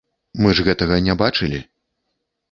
Мы ж гэтага не бачылі.